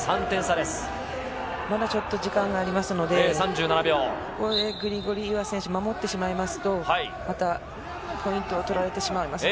まだちょっと時間がありますのでグリゴルイエワ選手、守ってしまいますとポイントを取られてしまいます。